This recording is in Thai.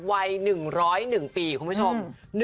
วัย๑๐๑ปีคุณผู้ชม